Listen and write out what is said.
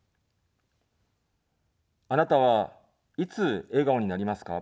あなたは、いつ笑顔になりますか。